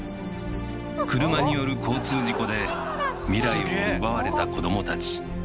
車による交通事故で未来を奪われた子どもたち。